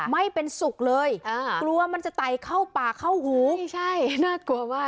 ไม่เป็นสุขเลยอ่ากลัวมันจะไต่เข้าปากเข้าหูใช่น่ากลัวมาก